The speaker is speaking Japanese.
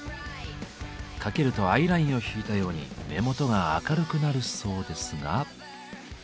かけるとアイラインを引いたように目元が明るくなるそうですが。